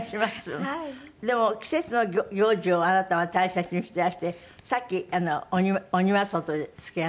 でも季節の行事をあなたは大切にしていらしてさっき「鬼は外」ですか？